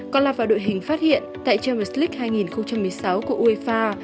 còn là vào đội hình phát hiện tại champions league hai nghìn một mươi sáu của uefa